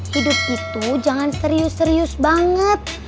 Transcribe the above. hidup itu jangan serius serius banget